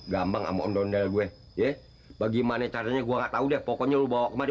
gampang ama ondel gue ya bagaimana caranya gua nggak tahu deh pokoknya lu bawa kemari